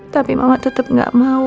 tapi mama tetap nggak mau